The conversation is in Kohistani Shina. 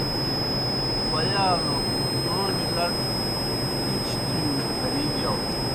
پیالوْ تومیْ لڇ کِچھ تِھیؤ ہرِی گِیاؤ۔